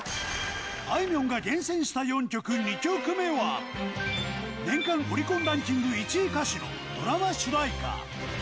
あいみょんが厳選した４曲、２曲目は、年間オリコンランキング１位歌手のドラマ主題歌。